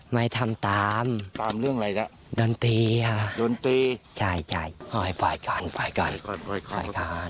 ไม่ทำตามตามเรื่องอะไรจ้ะดนตรีค่ะดนตรีใช่ใช่ปล่อยปล่อยก่อนปล่อยก่อน